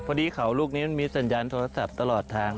พอดีเขาลูกนี้มันมีสัญญาณโทรศัพท์ตลอดทาง